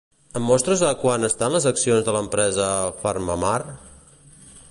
Em mostres a quant estan les accions de l'empresa PharmaMar?